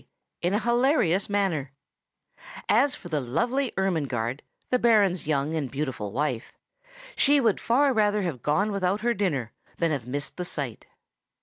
in a hilarious manner. As for the lovely Ermengarde, the Baron's young and beautiful wife, she would far rather have gone without her dinner than have missed the sight.